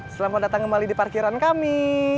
selamat datang kembali di parkiran kami